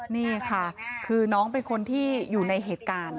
นี่ค่ะคือน้องเป็นคนที่อยู่ในเหตุการณ์